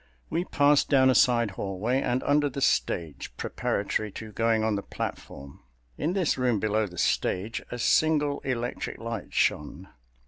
We passed down a side hallway and under the stage, preparatory to going on the platform. In this room below the stage a single electric light shone.